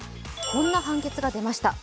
こんな判決が出ました。